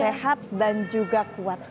sehat dan juga kuat